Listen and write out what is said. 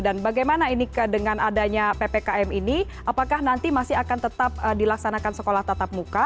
dan bagaimana ini dengan adanya ppkm ini apakah nanti masih akan tetap dilaksanakan sekolah tatap muka